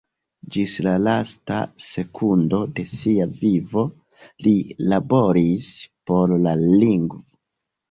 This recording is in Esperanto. Ĝis la lasta sekundo de sia vivo li laboris por la lingvo.